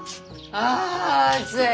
ああ暑い！